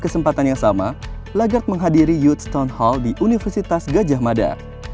kesempatan yang sama lagarde menghadiri youth stone hall di universitas gajah mada